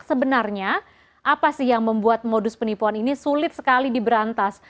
sebenarnya apa sih yang membuat modus penipuan ini sulit sekali diberantas